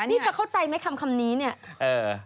นี่เธอเข้าใจไหมคำนี้เนี่ย